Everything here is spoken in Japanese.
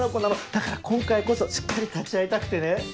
だから今回こそしっかり立ち会いたくてね。